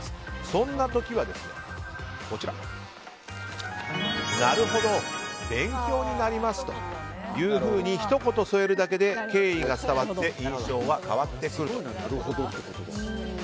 そんな時はなるほど、勉強になりますとひと言添えるだけで敬意が伝わって印象は変わってくると。